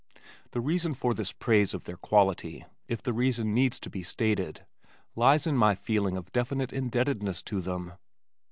The reason for this praise of their quality, if the reason needs to be stated, lies in my feeling of definite indebtedness to them.